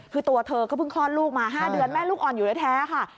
คือตัวเธอก็เพิ่งคลอดลูกมา๕เดือนแม่ลูกอ่อนอยู่แท้ค่ะ